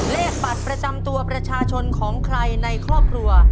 เลขบัตรประจำตัวประชาชนของใครในครอบครัว